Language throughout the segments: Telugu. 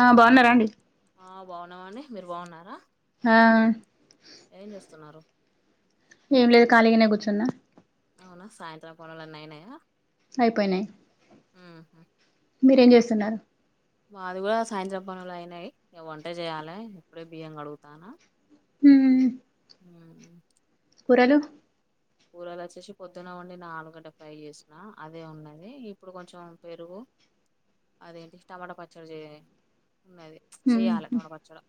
ఆ బావున్నర అండి. ఆ బాగున్నమండి. మీరు బావున్నారా? ఆ ఏం చేస్తున్నారు? ఏంలేదు ఖాళీగనే కూర్చున్నా. అవునా సాయంత్రం పనులన్నయినయా. అయిపోయినయి. మీరేం చేస్తున్నారు? మాది కూడా సాయంత్రం పనులు అయినయి. ఇగా వంట చేయ్యాలె ఇప్పుడే బియ్యం గడుగుతాన. ఉ ఉ కూరలు కూరలు వచ్చేసి పొద్దున వండిన ఆలుగడ్డ ఫ్రై చేసిన అదే ఉన్నది ఇప్పుడు కొంచెం పెరుగు అదేంటి టమాట పచ్చడి చేయాలె ఉన్నది మ్మ్ చెయ్యాలె టమాట పచ్చడు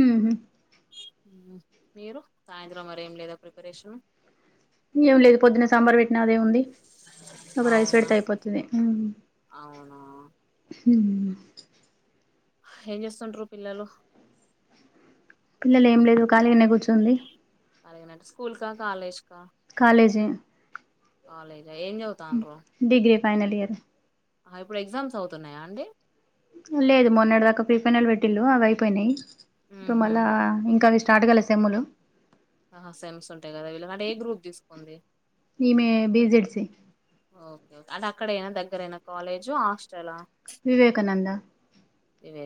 మ్మ్ హ్మ్ మీరు సాయంత్రం మరేం లేదా ప్రిపరేషన్ ఏం లేదు పొద్దున సాంబార్ పెట్టిన అదే ఉంది ఒక రైస్ అవునా పెడితే అయిపోతది అవునా ఉ ఏం చేస్తుంట్రూ పిల్లలు పిల్లలు ఏం లేదు ఖాళీగానే కూర్చుంది అలాగనట్టు స్కూల్క కాలేజ్ కాలేజె కాలేజ్ ఏం చదువుతాన్రు ఫైనల్ ఇయర్ ఇప్పుడు ఎగ్జామ్స్ అవుతున్నాయా అండి లేదు మొన్నెడు దాక ఫీఫైనల్ పెట్టిళు అవి అయిపోయినాయి ఇప్పుడు హుహు. మళ్ళా ఇంక స్టార్ట్ కాల సెమ్ములు ఆహా సెమ్స్ ఉంటాయి కదా వీళ్ళ అంటే ఏ గ్రూప్ తీసుకోంది సి ఓకేకే అట అక్కడైనా దగ్గరయినా కాలేజు హాస్టలా వివేకానంద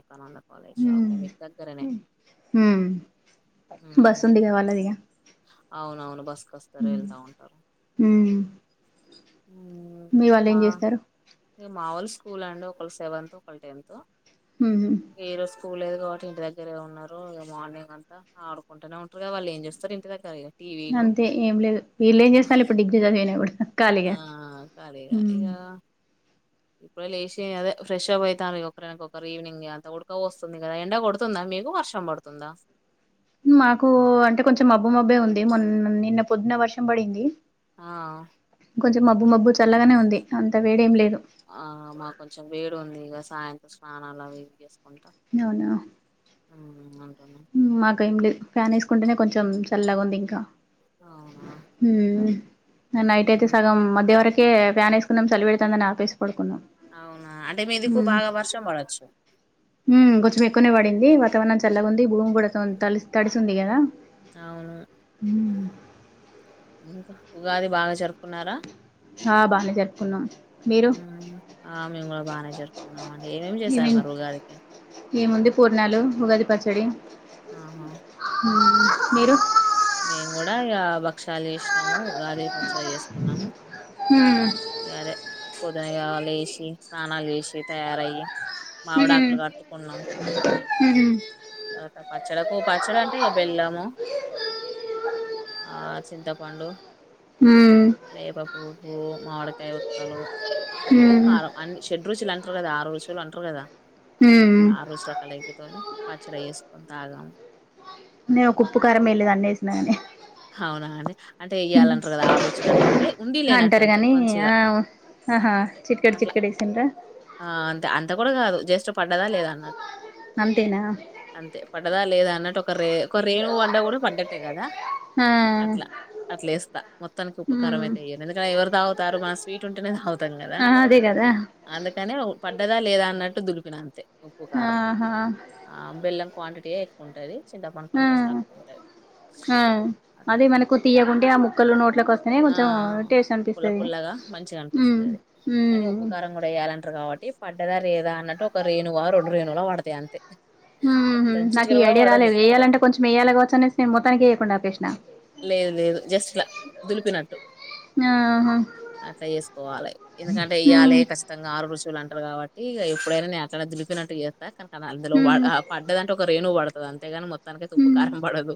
వివేకానంద కాలేజ్ ఓకే మీకు దగ్గరనే బస్ హ్మ్. ఉందిగా వాళ్ళదిగా అవునవును బస్కు వస్తరు మ్మ్ వెళ్తా ఉంటారు హ్మ్ మీ వాళ్ళు మా ఏం చేస్తారు మా ఒల్ స్కూల్ అండి ఒకళ్ళ సెవెన్త్ ఒకళ్ళ టెన్త్ హ్మ్ హు ఏరు స్కూల్ ఇ వాటి ఇంటి దగ్గరే ఉన్నారు మార్నింగ్ అంతా ఆడుకుంటనే ఉంటారు కద వాళ్ళు ఏం చేస్తారు ఇంటి దగ్గర టీవీలు. అంతే ఏం లేదు వీళ్ళు ఏం చేస్తారు ఇప్పుడు డిగ్రీ చదివినప్పుడు ఆ కరిగా ఇగ ఇప్పుడే లేచి అదే ఫ్రెష్ అయితాన్ ఒకరినక ఒకరు ఈవినింగ్ అంత ఉడుక పోస్తుంది కదా ఎండ కొడుతుందా మేము వర్షం పడుతుందా మాకు అంటే కొంచెం మబ్బు మబ్బే ఉంది మొన్ నిన్న పొద్దున వర్షం పడింది ఆ కొంచం మబ్బు మబ్బు చల్లగానే ఉంది అంత వేడేం లేదు ఆ మాక్ కొంచెం వేడు ఉంది ఇక సాయంత్రం స్నానాలు అవి ఇవి చేసుకుంటా నోనో ఉమ్ అంటున్నాం మాకు ఏం లే ఫ్యాన్ వేసుకుంటేనే కొంచెం సల్లాగా ఉంది ఇంకా అవున ఇంగ నైట్ అయితే సగం మధ్యవరకె ఫ్యాన్ వేసుకున్నం చలి పెడుతుందని ఆపేస్ పడుకున్నా అవునా అంటే మీదికు ఉమే బాగా వర్షం పడొచ్చు ఉమ్ కొంచ్ కొని పడింది వాతావరణం చల్లగా ఉంది భూమి కూడా త తడిసి ఉంది కదా అవును హ్మ్ ఇంకా ఉగాది బాగ జరుపుకున్నారా ఆ బానే జరుపుకున్నాం మీరు ఆ మేము కూడా బానె జరుపుకున్నాం అండి ఏమేమి చేస్తా స్తర్ మర్ ఉగాది ఎముంది పూర్ణాలు ఉగాది పచ్చడి ఆహ మీరు మేమ్ కూడా ఇక భక్షాలు చేసినాము ఉగాది పచ్చలు చేసుకున్నాము హుమ్ ఉదయా లేసి స్నానాల్ చేసి తయారయ్యి మావిడాకులు కట్టుకున్నాం ఉమ్ తర్వాత పచ్చడకు పచ్చడ అంటే ఇక బెళ్ళము ఆ చింతపండు హ్మ్ వేప పువ్వు మామిడికాయ ఒక్కలు ఉప్పు హ్మ్ కారం అన్ని షెడ్ రుచులు అంటరు కదా ఆరు రుచులు అంటరు కదా హ్మ్ ఆరు రుచుల కలయికతోని పచ్చడి చేసుకొని తాగలి నేను ఒక ఉప్పు కారం వేయలేదండి అన్నేసినగాని అవునాండి అంటే ఎయ్యాలంటారు కదా ఆరు రుచులు అంటారు అంటే ఉండి లేనట్టు అంటారు అంతే గాని ఆ కొంచిగా ఆహా చిటికెడు అట్లా చిటికెడు వేసిండ్రా ఆ అంతే అంత కూడా కాదు జస్ట్ పడ్డదా లేదా అన్నట్టు అంతే నా అంతే పడ్డదా లేదా అన్నట్టు ఒక రే ఒక రేణు వడ్డ కూడా పడ్డట్టే కదా హ అట్లే వేస్తా మొత్తానికి ఉప్పుకారం అయితే ఎయ్యను ఎందుకంటే ఎవరు తాగుతారు మన స్వీట్ ఉంటేనే తాగుతాం కదా గదా అందుకనే పడ్డదా లేదా అన్నట్టు దులిపిన అంతే ఉప్పు కారం ఆహా ఆ బెల్లం క్వాంటిటీయే ఎక్కువ ఉంటది చింతపండు కూడ కొంచెం తక్కువ ఉంటది అట్లా అది మనకు తీయగుంటె ఆ ముక్కలు నోట్లలకు వస్తేనే ఆ కొంచెం టేస్ట్ పుల్ల అనిపిస్తది పుల్లగా మంచిగా మ్ అనిపిస్తది కానీ ఉప్పుకారం కూడా వేయ్యాలంటారు కాబట్టి పడ్డదా లేదా అన్నట్టు ఒక రేణువా రెండు రేణులా పడతయ్ అం ఉమ్ హు నాకు ఈ ఐడియా పడదు రాలేదు ఎయ్యాలంటే కొంచెం ఎయాలి కావచ్చు అనేసి నేను మొత్తానికి వేయకుండా అపేసిన లేదు లేదు జస్ట్లా దులిపినట్టు ఆహా అట్లా చేసుకోవాలి ఎందుకంటే హ్మ్ ఇయ్యాలి కష్టంగా ఆరు రుచువులు అం టరు కాబట్టి ఇగ ఎప్పుడైనా నేన్ అట్లనే దులిపినట్టు చేస్తా కనుక హ్మ్ అ పడ్డదాంటే ఒక రేణు పడ తది అంతేగాని మొత్తానికైతే ఉప్పు హ్మ్ కారం పడదు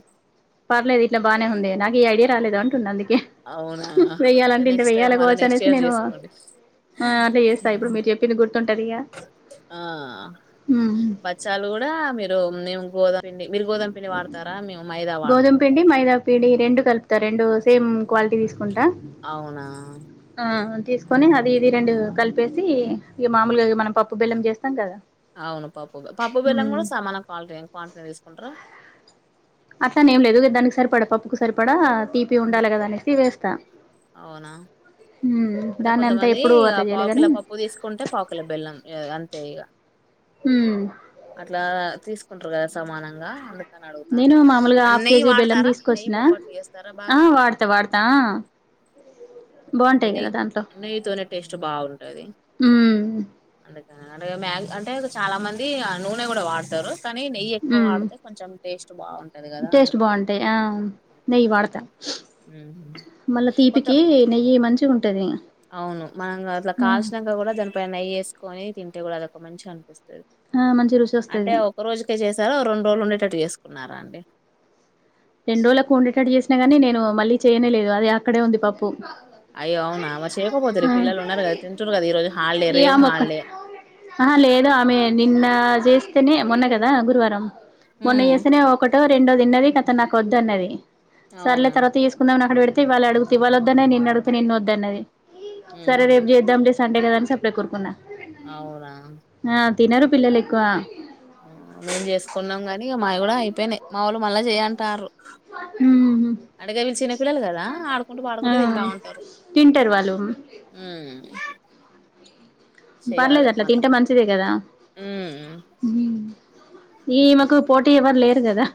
పర్లేదు ఇట్లా బానే ఉందే నాకు ఈ ఐడియా రాలేదు అంటున్నా అందుకే అవునా ఓకే వెయ్యాలంటే ఇంత నెక్స్ట్ టైమ్ వెయ్యాలి మళ్ళ కావచ్చు నెక్స్ట్ అనేసి ఇయర్ నేను చేసుకోండి ఆ అట్ల చేస్తా ఇప్పుడు మీరు చెప్పింది గుర్తుంటదిగా ఆ బచ్చాలు కూడా మీరు నేను గోదామ పిండి మీరు గోధామ పిండి వాడతారా మేము మైదా వాడతాము వీడి రెండు కలుపుతా రెండు సేమ్ క్వాలిటీ తీసుకుంటా అవునా ఆ తీసుకొని అది ఇది రెండు కలిపేసి ఇగ మామూలుగా మనం పప్పు బెల్లం చేస్తాం కదా అవును పప్పు బ పప్పు బెల్లం హ్మ్ కూడా సమాన క్వాలిటీ ఏం క్వాంటిటీ తీసుకుంటార అట్లని ఏం లేదు దానికి సరిపడా పప్పుకు సరిపడ తీపి ఉమ్, ఉండాలి కదా అనేసి వేస్తా అవునా మ్మ్ అంటే దాన్ని అంతా కొంతమంది ఎప్పుడు ఇగ అట్లా పావుకిల చేయలేగాని పప్పు తీసుకుంటే పావుకిల బెల్లం అంతే ఇగ ఊ మ్ అట్లా తీసుకుంటారు కదా సమానంగా అందుకని అడుగుతాను నేను మామూలుగా అండ్ హాఫ్ నెయ్యి కేజీ బెల్లం వాడతారా నెయ్యి తీసుకొచ్చిన బొబ్బట్లు చేస్ ఆ వాడ్త వాడ్తా ఆ అదే నెయ్యి నెయ్యితోనే టేస్ట్ బాగుంటది మ్మ్ అందు అ మ్యాగ్ అంటే చాలా మంది నూనె కూడా వాడతారు కానీ నెయ్యి ఎక్కువ మ్మ్ వాడితే కొంచెం టేస్ట్ బాగుంటది కదా టేస్ట్ అందుకని బాగుంటాయి ఆ నెయ్యి వాడతా ఉమ్ మళ్ళా కొత్త తీపికి నెయ్యి మంచిగా ఉంటది అవును మనం అట్లా కాల్సినంక కూడా దానిపైన నెయి వేసుకొని తింటే కూడా అదొక మంచిగా అన్ ఆ మంచి రుచి అంటే వస్తది ఒక రోజుకే చేశారా రెండు రోజులు ఉండేటట్టు చేసుకున్నారా అండి రెండురోజులకి ఉండేటట్టు చేసినా గానీ నేను మళ్ళీ చేయనేలేదు అదే అక్కడే ఉంది పప్పు అయ్యో అవునా మరి చేయకపోతిరి పిల్లలు ఉన్నారు కదా తింటురు కదా ఈ రోజు హాలిడే రేపు హాలిడే ఆ హా లేదు ఆమె నిన్న చేసి తేనే మొన్న కదా గురువారం మొన్న ఉమ్ చేస్తేనే ఒకటో రెండో తిన్నది కత నాకు వద్దు అన్నది అవునా సర్లే తర్వాత చేసుకుందాం అని అక్కడ పెడితే ఇవాళ అడిగితే ఇవాళ వద్దన్నది నిన్న అడుగుతే నిన్న వద్దన్నది సరే ఉహు రేపు చేద్దాం లే సండే కదాని సప్పడే కోరుకున్నా అవునా తినరు పిల్లలు ఎక్కువ మేం చేసుకున్నాం గాని మావి కూడా అయిపోయినాయి మా వాళ్ళు మళ్ళా చేయంటారు ఉహు అడగ వీళ్ళు చిన్న పిల్లలు కదా ఆడుకుంటూ పాడుకుంటూ తింట ఉంటారు తీన్టర్ వాళ్ళు ఉమ్, పర్లేదు చెయ్యాలి అట్లా మళ్ళా తింటే మంచిదే కదా ఉమ్, ఈమకు పోటీ ఎవరు లేరు కదా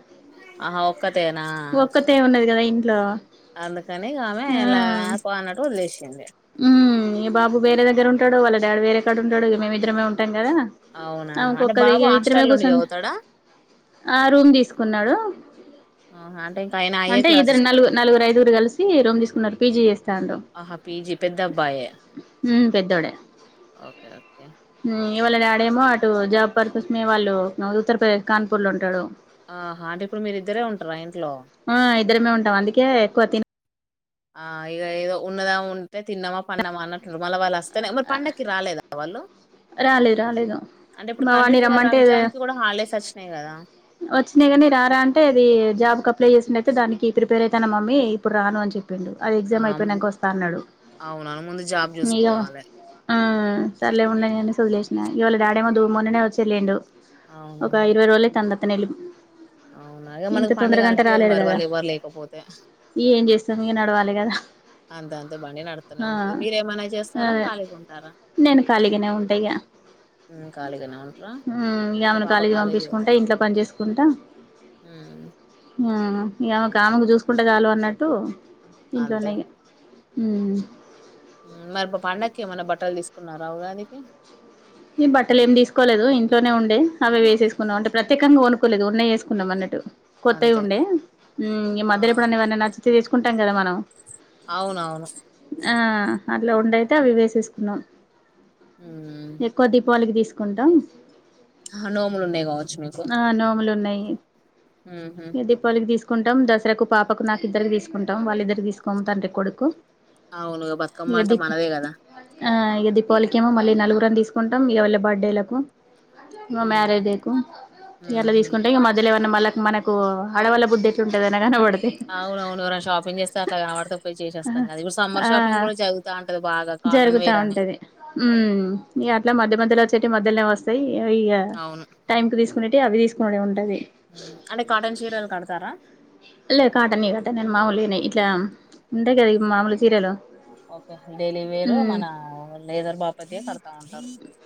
ఆహా ఒక్కతేనా ఒక్కతే ఉన్నది కదా ఇ అందుకని ఆమె ఇలా పా అన్నట్టు వదిలేసింది ఉమ్ ఈ బాబు వేరే దగ్గర ఉంటాడు వాళ్ళ డాడీ వేరే కాడ ఉంటాడు మేమిద్దరమే ఉంటాం కద అవునా ఆమె అంటే కొక్కదే బాబు ఇగ ఇద్దరమే హాస్టల్ నుండి కూసోని చదువుతాడా ఆ రూమ్ తీసుకున్నాడు ఆహా, అంటే ఇంకా ఆయన అయ్యే అంటే ఇద్దరు క్లాసెస్ పెద్ద నలుగురు నలుగురు ఐదుగురు కలిసి రూమ్ తీసుకున్నారు పీజీ చేస్తాండు ఆ పీజీ పెద్ద అబ్బాయే హ్మ్ పెద్దోడే ఓకే ఓకే హ్మ్ ఇగ వాళ్ళ డాడేమో అటు జాబ్ పర్పస్ మీ వాళ్ళు ఉత్తరప్రదేశ్ కాన్పూర్లో ఉంటాడు ఆహా అంటే ఇప్పుడు మీరిద్దరే ఉంటారా ఇంట్లో ఆ ఇద్దరమే ఉంటాం అందుకే ఎక్కువ తిన ఆ ఇగ ఏదో ఉన్నదా తిన్నామా పన్నమా అన్న మళ్ళీ వాళ్ళు వస్తేనే మళ్ళ పండక్కి రాలేదా వాళ్ళు రాలేదు రాలేదు అంటే ఇప్పుడు మా వాడిని కంటిన్యూగా రమ్మంటే రంజాన్కి కూడా హాలిడేస్ వచ్చినాయి కదా వచ్చినయి గాని రారా అంటే అది జాబ్ క అప్లై చేసింది అయితే దానికి ప్రిపేర్ అయితాన్న మమ్మీ ఇప్పుడు రాను అని చెప్ప చెప్పిండు అది ఆ ఎగ్జామ్ ము- అయిపోయినాక వస్తా అన్నాడు అవునవును ముందు జాబ్ ఇగ చూసుకోవాలి ఆ సర్లే ఉండని అనేసి ఇగా వాళ డాడే మో మొన్ననే వచ్చేలేండు ఒక ఇరవై రోజులే తనందత్త న అవునాగా మనకి పండుగ అనిపియదు మరి కదా వాళ్ళు ఎవ్వరు లేకపోతే ఏం చేస్తాంది నడవాలి కదా అంతేంతే బండి నడుతూనే ఆ ఉంటుది మీరేమన్నా చేస్తారా అదే ఖాళీ ఉంటారా నేను ఖాళీగానే ఉంట ఇగ ఖాళీగానే ఉంటార ఉమ్ ఇగ ఆమెను పాప కాలేజీకి కాలేజ్ పంపించుకుంటా ఇంట్లో పని చేసుకుంటా ఆ ఆమెకు ఆమెకు చూసుకుంటే చాలు అన్నట్టు అంతే ఇంట్లోనేయ మరి పండగకి ఏమైన్నా బట్టలు తీసుకున్నారా ఉగాదికి ఈ బట్టలు ఏమి తీసుకోలేదు ఇంట్లోనే ఉం డే అవే వేసేసుకున్నాం అంటే ప్రత్యేకంగా కొనుక్కకోలేదు ఉన్నయి వేసుకున్నాం అన్నట్టు కొత్తవి అంతే ఉండే ఈ ఆ మధ్యల ఎప్పుడన్నవన్న నచ్చితే తీసుకుంటాం కదా మనం అవునవును ఆ అట్లా ఉండయితే అవి వేసేసుకున్నాం హ ఎక్కువ దీపావళికి తీసుకుంటాం ఆ, నోములు ఉన్నాయి కావచ్చు మీకు ఆ నోములు ఉన్నాయి ఉహు దీపాళికి తీసుకు తీసుకుంటాం దసరాకు పాపకు నాకు ఇద్దరికి తీసుకుంటం వాళ్ళిద్దరికి తీసుకోము తండ్రి కొడుకు అవునుగా బతుకమ్మ అంట మనదే కదా ఆ ఇగ దీపావలికేమో మళ్ళీ నలుగురు అని తీసుకుంటాం ఇకవళ్ళ బర్త్డేలకు ఇ మ్యారేజ్ డే కు ఇగ అట్ల ఉహు తీసుకుంటే ఇం మధ్యలే మళ్ళకి మనకు అడవల బుద్ధి ఎట్లుంటదని కనపడ అవునవును ఎవరైనా షాపింగ్ చేస్తే అట్లా కనబడితే పోయి చేసస్తాం కదా ఇప్పుడు సమ్మర్ ఆ షాపింగ్ కూడా జరుగుత ఉంటది బాగా కాటన్ జరుగుతా వేర్ అని ఉంటది ఉమ్ ఇట్లా మధ్య మధ్యలో వచ్చేటివి మధ్యలనే వస్తాయి ఇక అవును టైమ్ కి తీసుకునేటివి అవి తీసుకునుడే ఉంటది. ఉమ్, అంటే కాటన్ చీరలు కడతారా ఎ కాటానియి కట్టను మామూలి నే ఇట్లా ఉంటాయి కద ఈ మాములు చీరలు ఓకే డైలీ వేరు ఉమ్ మన లేదర్ బాపతి కడతా ఉంట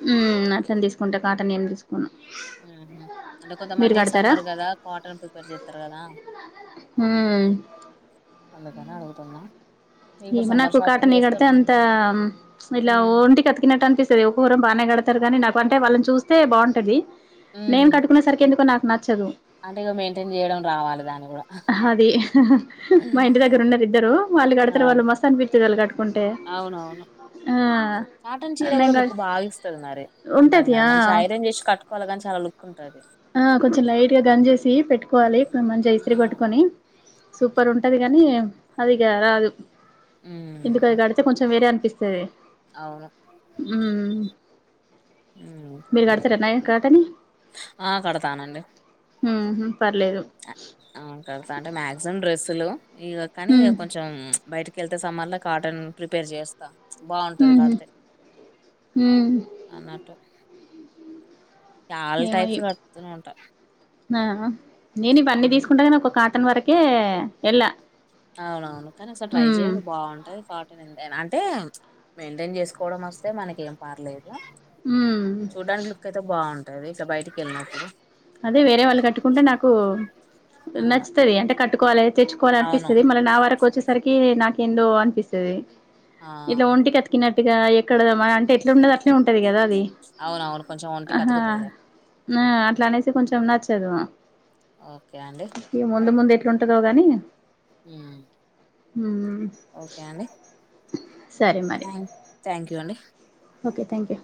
హ్మ్ అట్లనే తీసుకుంటా కాటని ఏం తీసుకుంట అంటే మీరు కొంతమంది కడతారా సమ్మర్ కదా కాటన్ ప్రిఫర్ చేస్తారు కదా హ్మ్ అందుకని అడుగుతున్నా ఇప్పుడు ఏమో సమ్మర్ నాకు షాపింగ్ కాటనియి కడితే చేస్తారు అంతా ఉ ఇలా ఒంటి కి అతికినట్టు అనిపిస్తది ఒకొకరేమో బానే కడ కడతరు కానీ నాకు అంటే వాళ్ళని చూస్తే బావుంటది ఉ నేను కట్టుకునే సరికి ఎందుకో నాకు నచ్చదు అంటే ఇగ మెయింటైన్ చేయడం రావాలి దాని కూడా అది మా ఇంటి దగ్గర ఉన్నారు ఇద్దరు వాళ్ళు ఆ కడతారు వాళ్ళు మస్త అనిపిస్తరు వాళ్ళు కట్టు అవునవును కాటన్ చీర నేను కూడా గట్ లుక్ బా ఇస్తది మరి అందంగా ఉంటది. కానీ ఆ! మంచి ఐరన్ చేసి కట్టు కోవాలి గాని చాలా లుక్ ఉం ఆ కొంచం లైట్ గా గంజేసి పెట్టుకోవాలి మంచిగా ఇస్త్రీ కొట్టుకొని సూపర్ ఉంటది కాని అదిగా రాదు ఇందుకు అది ఉమ్ కడితే కొంచెం వేరే అను అవును హ్మ్ ఉమ్ మీరు గడతారా నైన్ కాటన్ ని ఆ కడతానండి పర్లేదు ఆ కడతా అంటే మాక్సిమ్ డ్రె డ్రెస్సులు ఇగ కానీ ఇక ఉమ్ కొంచెం బయటకి వెళ్తే సమ్మర్ లో కాటన్ ప్రిపేర్ చేస్తా బాగుంటది ఉహు కాడితే ఉమ్ అన్నట్టు చాలా ఏమో ఇ టైప్స్ కడుతూనే ఉంటా ఆ నేను ఇవన్నీ ఉమ్ తీసుకుంటాగా నా ఒక కాటన్ వరకే వెళ్ళ అవునవును కానీ అసలు ట్రై చెయండి బాగుంటది కాట అంటే మెయింటైన్ చేసుకోవడం వస్తే మనకి ఏం పర్లేదు ఉమ్ చూడానికి లుక్ అయితే బాగుంటది ఇట్లా బయటికి వెళ్ళినప్పుడు అదే వేరే వాళ్ళు కట్టుకుంటే నాకు ఆ నచ్చుతది అంటే కట్టుకోవాలి అవును తెచ్చుకోవాలనిపిస్తుంది మళ్ళీ నా వరకు వచ్చేసరికి నాకెందో అనిపిస్తాది ఆ ఇట్లా ఒంటికితికినట్టుగా ఎక్కడద అంటే ఎట్లా ఉండదు అట్లే ఉంటది కదా అది అవునవును కొంచెం ఉంట ఆహా కతుకుతుదులే ఆ అట్లానేసి కొంచెం నచ్చదు ఓకే అండి ఇగ ముందు ముందు ఎట్లుంటదో గాని హ్మ్ హ్మ్ ఓకే అండి సరే మరి థ్యాం థ్యాంక్ యూ అండి ఓకే థ్యాంక్ యూ